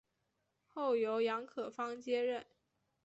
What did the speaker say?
后由杨可芳接任。